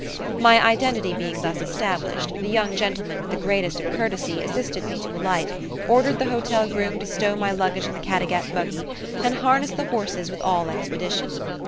My identity being thus established, the young gentleman with the greatest of courtesy assisted me to alight, ordered the hotel groom to stow my luggage in the Caddagat buggy, and harness the horses with all expedition.